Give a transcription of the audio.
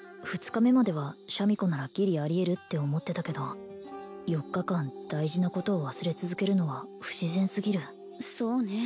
２日目まではシャミ子ならギリありえるって思ってたけど４日間大事なことを忘れ続けるのは不自然すぎるそうね